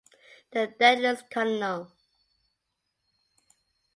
The Deadliest Colonel.